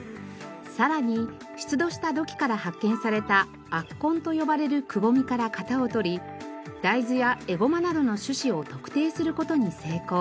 さらに出土した土器から発見された圧痕と呼ばれるくぼみから型を取り大豆やエゴマなどの種子を特定する事に成功。